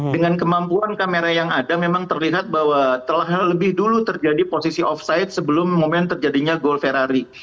dengan kemampuan kamera yang ada memang terlihat bahwa telah lebih dulu terjadi posisi offside sebelum momen terjadinya gold ferrari